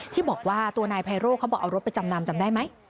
ที่บอกว่าตัวนายไพโร่เขาบอกเอารถไปจำนำจำได้ไหม